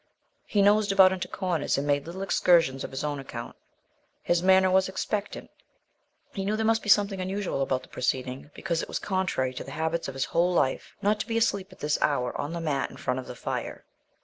He nosed about into corners and made little excursions on his own account. His manner was expectant. He knew there must be something unusual about the proceeding, because it was contrary to the habits of his whole life not to be asleep at this hour on the mat in front of the fire.